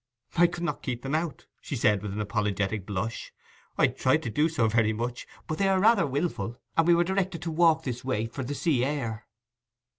'I could not keep them out,' she said, with an apologetic blush. 'I tried to do so very much: but they are rather wilful, and we are directed to walk this way for the sea air.